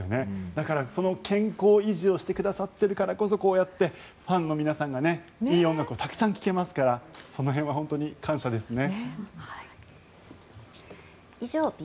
だから、健康維持をしてくださっているからこそこうやってファンの皆さんがいい音楽をたくさん聴けますからその辺は本当に感謝ですね。